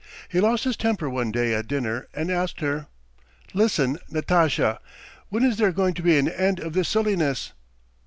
He lost his temper one day at dinner and asked her: "'Listen, Natasha, when is there going to be an end of this silliness?'